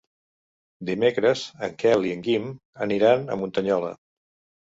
Dimecres en Quel i en Guim aniran a Muntanyola.